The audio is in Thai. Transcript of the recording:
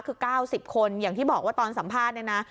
คือ๙๐คนอย่างที่บอกว่าตอนสัมภาษณ์เนี่ยนะ